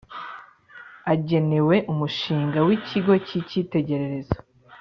agenewe Umushinga w Ikigo cy Icyitegererezo